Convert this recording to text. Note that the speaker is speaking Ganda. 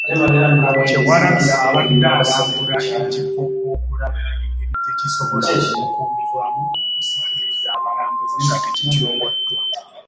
Kyewalabye, abadde alambula ekifo okulaba engeri gye kisobola okukuumibwamu okusikiriza abalambuzi nga tekityoboddwa.